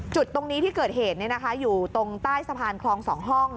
จุดตรงนี้ที่เกิดเหตุอยู่ตรงใต้สะพานคลอง๒ห้อง